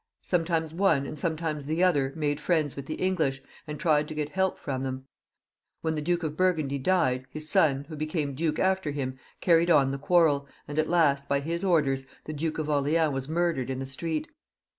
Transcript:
Sometimes one and sometimes the other made friends with the English, and tried to get help from them. When the Duke of Burgundy died, his son, who became duke after him, carried on the quarrel, and at last, by his orders, the Duke of Orleans was murdered in the street.